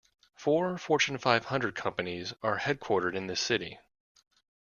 Four Fortune Five Hundred companies are headquartered in this city.